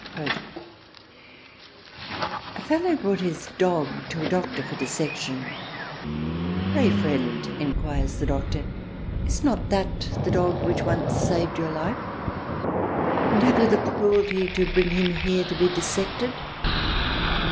14 THRALIANA *' A Fellow brought his dog to a doctor for dissection, pray friend enquires the Doctor is not that the dog which once saved your life : and have you the cruelty to bring him here to be dissected